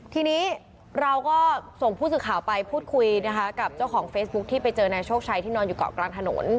ทีนี้เราก็ส่งผู้สื่อข่าวไปพูดคุยนะคะกับเจ้าของเฟซบุ๊คที่ไปเจอนายโชคชัยที่นอนอยู่เกาะกลางถนน